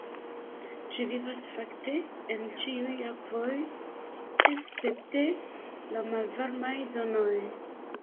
Ĝi vivas fakte en ĉiuj akvoj, escepte de malvarmaj zonoj.